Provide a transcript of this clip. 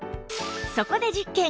そこで実験！